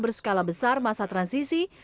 berskala besar masa transisi